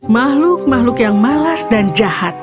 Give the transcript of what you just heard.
makhluk makhluk yang malas dan jahat